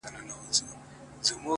حالات خراب دي مځکه ښورې مه ځه!